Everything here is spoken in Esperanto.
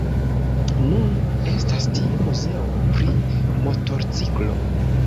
Nun estas tie muzeo pri Motorciklo.